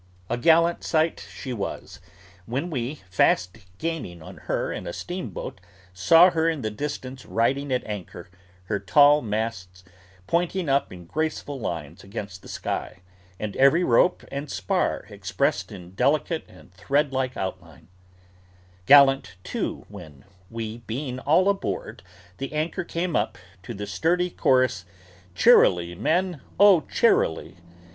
A gallant sight she was, when we, fast gaining on her in a steamboat, saw her in the distance riding at anchor: her tall masts pointing up in graceful lines against the sky, and every rope and spar expressed in delicate and thread like outline: gallant, too, when, we being all aboard, the anchor came up to the sturdy chorus 'Cheerily men, oh cheerily!